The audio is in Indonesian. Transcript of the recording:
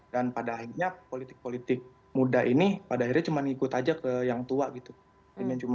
dan pada akhirnya politik politik muda ini pada akhirnya cuma ikut aja ke yang tua gitu